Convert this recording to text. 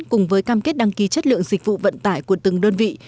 cùng với cam kết đăng ký chất lượng dịch vụ vận tải của từng đơn vị